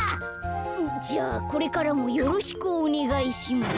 じゃあこれからもよろしくおねがいします。